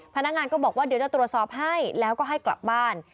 พนักงานก็บอกว่าเดี๋ยวจะตรวจสอบให้แล้วก็ให้กลับบ้าน